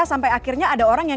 sampai akhirnya ada orang yang